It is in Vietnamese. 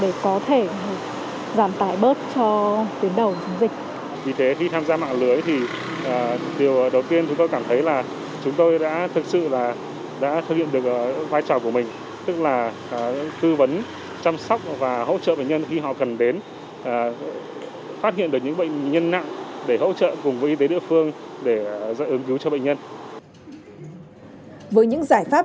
bác sĩ nguyễn thành quân đã đăng ký tham gia vào mạng lưới thầy thuốc đồng hành để tư vấn sức khỏe trực tuyến